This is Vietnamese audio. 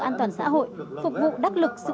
an toàn xã hội phục vụ đắc lực sự